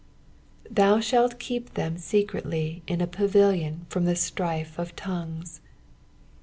7%ra ihalt kttp ihem turetly in a pavilion from the *tr\fe of tongue*."